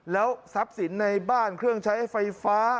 แล้วทรัพย์สินในบ้านเครื่องใช้ไฟฟ้า